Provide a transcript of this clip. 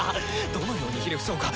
どのようにひれ伏そうか？